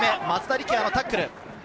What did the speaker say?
松田力也のタックル。